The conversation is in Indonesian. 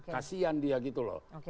kasian dia gitu loh